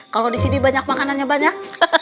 kalau disini banyak makanannya banyak